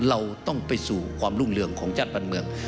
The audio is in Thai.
เราต้องไปสู่ความรุ่งเรืองของชาติบ้านเมือง